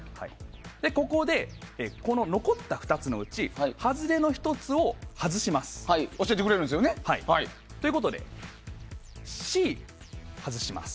ここで、残った２つのうち外れの１つを教えてくれるんですよね。ということで、Ｃを外します。